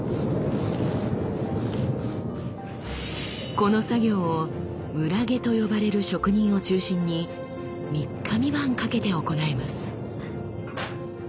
この作業を村下と呼ばれる職人を中心に３日３晩かけて行います。